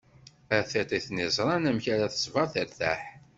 A tiṭ i ten-iẓran, amek ara tesber tertaḥ?